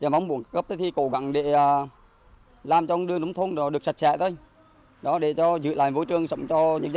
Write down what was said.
một cấp xã cố gắng để làm cho đường đường thông được sạch sẽ thôi để giữ lại vô trường sống cho những dân